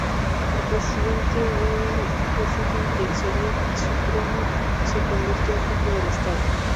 El Presidente del Presidium del Soviet Supremo se convirtió en jefe del Estado.